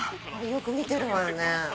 よく見てるわよね。